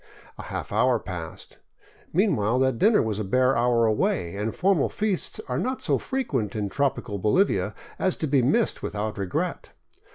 A half hour passed. Meanwhile that dinner was a bare hour away, and formal feasts are not so frequent in tropical Bolivia as to be missed without regret.